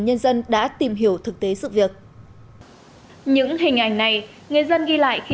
nhân dân đã tìm hiểu thực tế sự việc những hình ảnh này người dân ghi lại khi